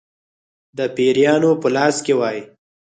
د پیرانو په لاس کې وای.